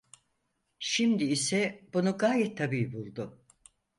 Şimdi ise bunu gayet tabii buldu.